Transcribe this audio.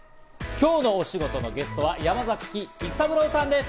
今日の推しゴトのゲストは山崎育三郎さんです。